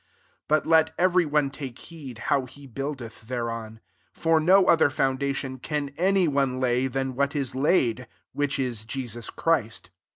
But let every one take heed how he buildeth tliereon ; 11 for no other foundation can any ooel lay, than what is laid, which i« Jesus Christ.